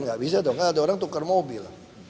tidak bisa dong karena ada orang tukar mobil